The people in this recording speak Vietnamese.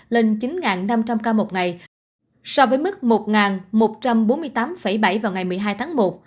lên chín năm trăm linh ca một ngày so với mức một một trăm bốn mươi tám bảy vào ngày một mươi hai tháng một